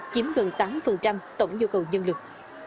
chiếm hơn tám tổng nhu cầu nhân lực